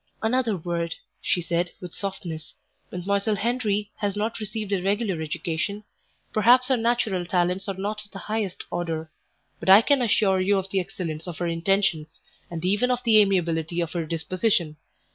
"Another word," she said, with softness: "Mdlle. Henri has not received a regular education; perhaps her natural talents are not of the highest order: but I can assure you of the excellence of her intentions, and even of the amiability of her disposition.